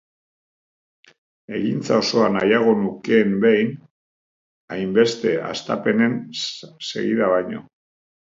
Egintza osoa nahiago nukeen behin, hainbeste hastapenen segida baino.